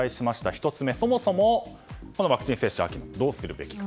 １つ目、そもそも秋のワクチン接種どうするべきか。